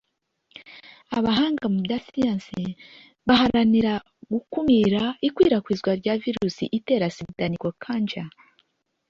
Abahanga mu bya siyansi barwanira gukumira ikwirakwizwa rya virusi itera SIDA (NekoKanjya)